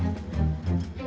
apausnya kamu tengok tadi